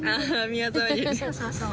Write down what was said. そうそうそう。